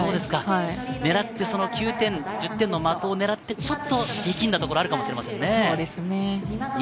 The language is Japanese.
狙って９点、１０点の的を狙って、ちょっと力んだところがあるかもしれないですね。